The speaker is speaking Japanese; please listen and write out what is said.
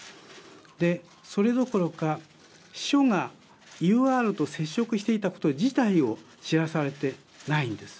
で、それどころか秘書がＵＲと接触していたこと自体を知らされてないんです。